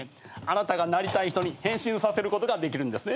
あなたがなりたい人に変身させることができるんですね。